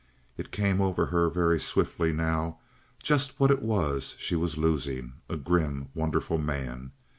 It came over her very swiftly now just what it was she was losing—a grim, wonderful man.